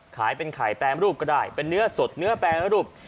ขายเป็นไข่แปรรูปก็ได้เป็นเนื้อสดเนื้อแปรรูป